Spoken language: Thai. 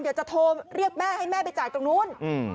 เดี๋ยวจะโทรเรียกแม่ให้แม่ไปจ่ายตรงนู้น